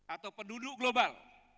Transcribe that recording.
atau penduduk global